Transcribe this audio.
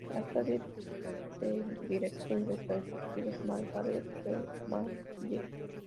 El actual vicedirector y director ejecutivo es Margaret Leung Ko May Yee.